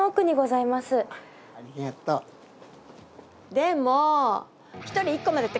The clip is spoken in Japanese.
でも。